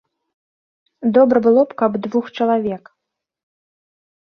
Добра было б, каб двух чалавек.